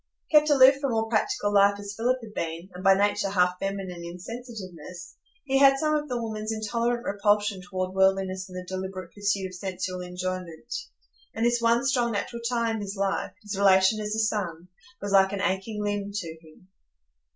Kept aloof from all practical life as Philip had been, and by nature half feminine in sensitiveness, he had some of the woman's intolerant repulsion toward worldliness and the deliberate pursuit of sensual enjoyment; and this one strong natural tie in his life,—his relation as a son,—was like an aching limb to him.